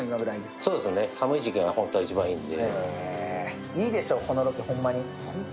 そうですね、寒い時期が本当は一番いいので。